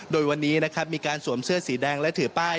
โดยวันนี้นะครับมีการสวมเสื้อสีแดงและถือป้าย